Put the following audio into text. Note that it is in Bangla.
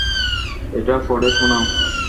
এটা পড়ে শোনাও।